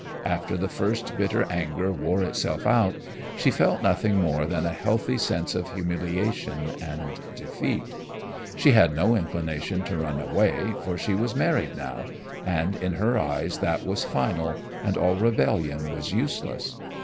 After the first bitter anger wore itself out, she felt nothing more than a healthy sense of humiliation and defeat. She had no inclination to run away, for she was married now, and in her eyes that was final and all rebellion was useless.